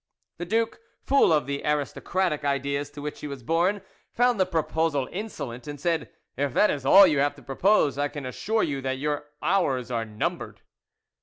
The duke, full of the aristocratic ideas to which he was born, found the proposal insolent, and said, "If that is all you have to propose, I can assure you that your hours are numbered."